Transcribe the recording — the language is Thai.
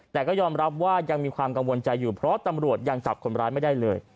แต่ก็ยอมรับว่ายังมีความกังวลใจอยู่เพราะตำรวจยังจับคนร้ายไม่ได้เลย